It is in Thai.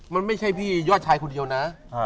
มันไม่ใช่พี่ยอดชายคนเดียวนะ